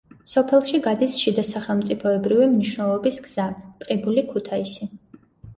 სოფელში გადის შიდასახელმწიფოებრივი მნიშვნელობის გზა ტყიბული-ქუთაისი.